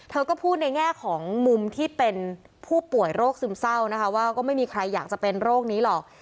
เธอก็พูดในแง่ของมุมที่เป็นผู้ป่วยโรคซึมเศร้านะคะว่าก็ไม่มีใครอยากจะเป็นโรคนี้หรอก